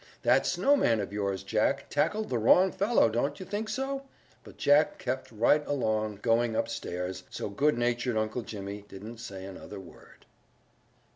"That snowman of yours, Jack, tackled the wrong fellow, don't you think so?" But Jack kept right along going upstairs, so good natured Uncle Jimmy didn't say another word.